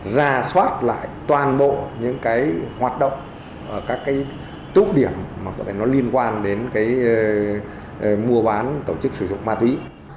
ra soát lại toàn bộ những cái hoạt động ở các cái tụ điểm mà có thể nó liên quan đến cái mua bán tổ chức sử dụng ma túy